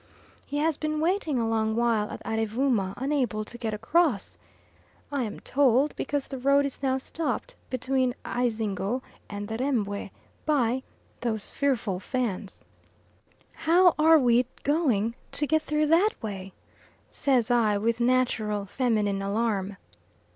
He has been waiting a long while at Arevooma, unable to get across, I am told, because the road is now stopped between Ayzingo and the Rembwe by "those fearful Fans." "How are we going to get through that way?" says I, with natural feminine alarm.